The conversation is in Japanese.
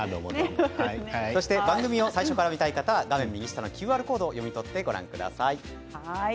番組を最初から見たい方は画面右下のＱＲコードを読み取ってご覧ください。